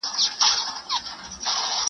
حکم د حدیث قرآن ګوره چي لا څه کیږي--!